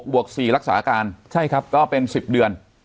๖บวก๔รักษาการก็เป็น๑๐เดือน